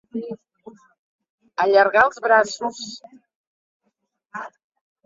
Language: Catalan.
Allargar els braços.